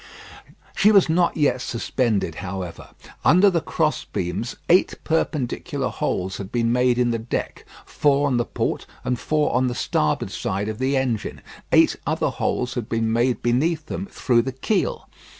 She was not yet suspended, however. Under the cross beams, eight perpendicular holes had been made in the deck, four on the port, and four on the starboard side of the engine; eight other holes had been made beneath them through the keel.